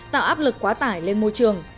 tạo áp lực quá tải lên môi trường